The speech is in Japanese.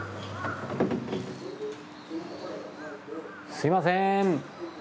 すみません